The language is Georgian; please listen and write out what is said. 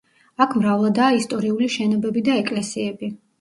აქ მრავლადაა ისტორიული შენობები და ეკლესიები.